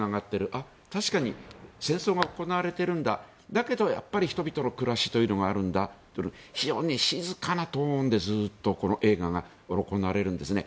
あっ、確かに戦争が行われているんだだけど、やっぱり人々の暮らしというのがあるんだと非常に静かなトーンでずっと映画で行われるんですね。